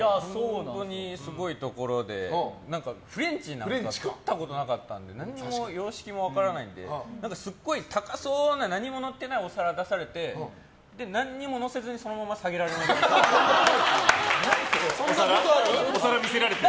本当にすごいところでフレンチなんか食ったことなかったんで何も様式も分からないのですごい高そうな何ものってないお皿を出されて何ものせずにそんなことある？